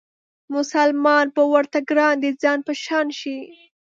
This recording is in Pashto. مسلمان به ورته ګران د ځان په شان شي